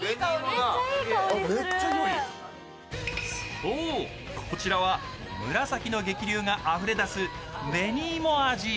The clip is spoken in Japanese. そう、こちらは紫の激流があふれ出す紅芋味。